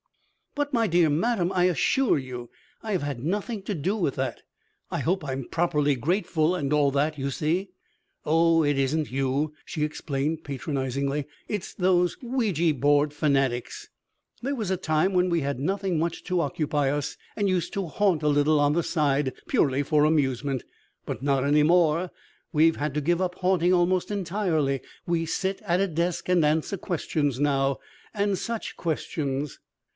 "But my dear madam, I assure you I have had nothing to do with that. I hope I'm properly grateful and all that, you see." "Oh, it isn't you," she explained patronizingly. "It's those Ouija board fanatics. There was a time when we had nothing much to occupy us and used to haunt a little on the side, purely for amusement, but not any more. We've had to give up haunting almost entirely. We sit at a desk and answer questions now. And such questions!"